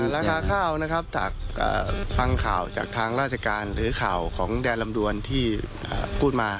ราคาข้าวนะครับถ้าฟังข่าวจากทางราชการหรือข่าวของแดนลำดวนที่พูดมา